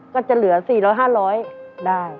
ก็จะเหลือ๔๐๐๕๐๐ได้